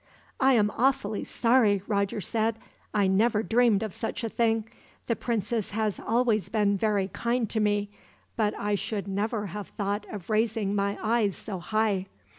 "I am awfully sorry," Roger said. "I never dreamed of such a thing. The princess has always been very kind to me, but I should never have thought of raising my eyes so high.